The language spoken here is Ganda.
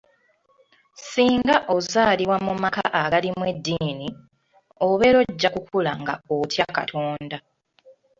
"Singa ozaalibwa mu maka agalimu eddiini, obeera ojja kukula nga otya Katonda."